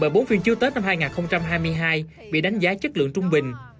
bởi bốn phim chưa tết năm hai nghìn hai mươi hai bị đánh giá chất lượng trung bình